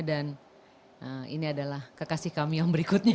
ini adalah kekasih kami yang berikutnya